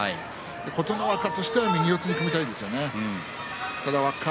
琴ノ若としては右四つに組みたいですよね。